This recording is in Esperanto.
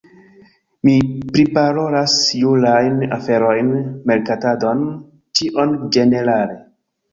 Mi priparolas jurajn aferojn, merkatadon, ĉion ĝenerale